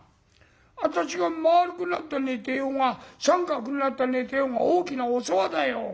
私がまあるくなって寝てようが三角になって寝てようが大きなお世話だよ。